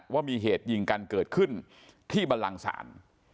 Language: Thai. ว่ามีเหตุยิงกันเกิดขึ้นที่บรรลังศาล